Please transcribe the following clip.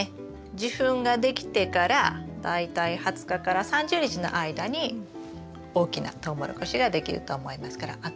受粉ができてから大体２０日から３０日の間に大きなトウモロコシができると思いますからあと１か月弱ですね。